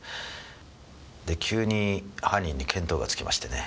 で急に犯人に見当がつきましてね。